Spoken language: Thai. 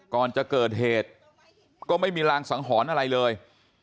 ก่อนจะเกิดเหตุก็ไม่มีรางสังหรณ์อะไรเลย